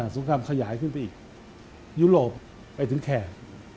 งครามขยายขึ้นไปอีกยุโรปไปถึงแคร์